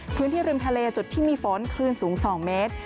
พื้นที่ริมทะเลจุดที่มีฝนคลื่นสูง๒เมตร